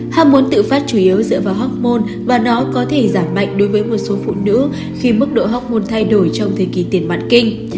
ham muốn tự phát chủ yếu dựa vào hóc môn và nó có thể giảm mạnh đối với một số phụ nữ khi mức độ học môn thay đổi trong thời kỳ tiền mặt kinh